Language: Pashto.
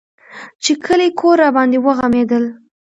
چې کلى کور راباندې وغمېدل.